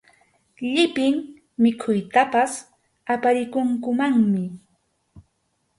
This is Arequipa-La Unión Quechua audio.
Llipin mikhuytapas aparikunkumanmi.